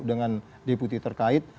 dengan deputi terkait